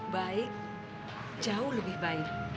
baik jauh lebih baik